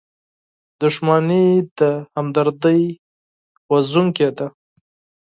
• دښمني د همدردۍ قاتله ده.